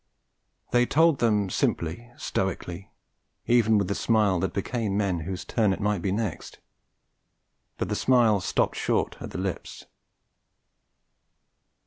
They told them simply, stoically, even with the smile that became men whose turn it might be next; but the smile stopped short at the lips.